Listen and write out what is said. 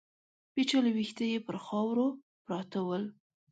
پيچلي ويښته يې پر خاورو پراته ول.